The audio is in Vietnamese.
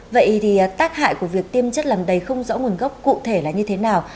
vậy thì tác hại của việc tiêm chất làm đầy không rõ nguồn gốc cụ thể là như thế nào